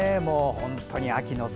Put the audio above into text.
本当に秋の空。